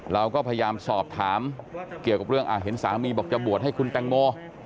เราก็พยายามสอบถามเกี่ยวกับเรื่องเห็นสามีบอกจะบวชให้คุณแตงโม